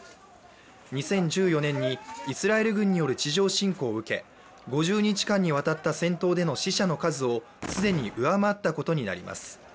２０１４年にイスラエル軍による地上侵攻を受け５０日間にわたった戦闘での死者の数を既に上回ったことになります。